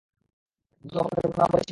গুরুতর অপরাধের বর্ণনা বলেছি?